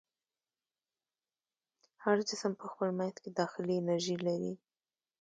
هر جسم په خپل منځ کې داخلي انرژي لري.